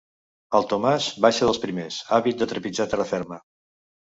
El Tomàs baixa dels primers, àvid de trepitjar terra ferma.